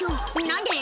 何で？」